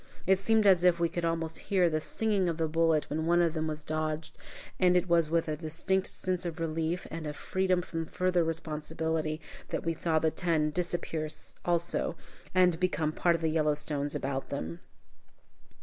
It seemed as if we could almost hear the singing of the bullet when one of them dodged, and it was with a distinct sense of relief, and of freedom from further responsibility, that we saw the ten disappear also, and become part of the yellow stones about them.